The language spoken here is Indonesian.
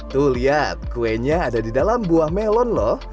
tuh lihat kuenya ada di dalam buah melon loh